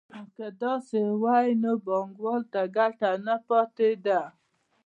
که داسې وای نو بانکوال ته ګټه نه پاتېده